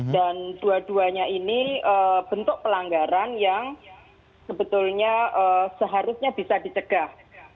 dan dua duanya ini bentuk pelanggaran yang sebetulnya seharusnya bisa dicegah